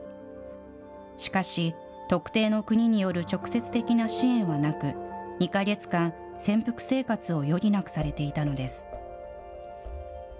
しかし、特定の国による直接的な支援はなく、２か月間、潜伏生活を余儀なくされていたのです。